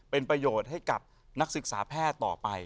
เป็นประโยชน์ให้กับนักศึกษาแพทย์ต่อไป